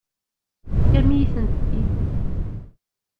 Tefkam-iyi-tent-id.